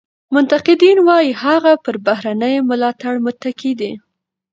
منتقدین وایي هغه پر بهرني ملاتړ متکي دی.